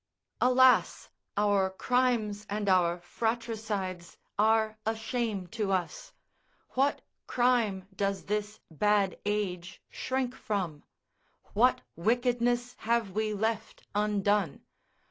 ["Alas! our crimes and our fratricides are a shame to us! What crime does this bad age shrink from? What wickedness have we left undone?